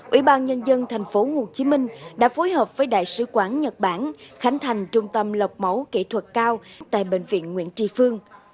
ủy ban nhân dân thành phố hồ chí minh đã phối hợp với đại sứ quán nhật bản khánh thành trung tâm lọc máu kỹ thuật cao tại bệnh viện nguyễn tri phương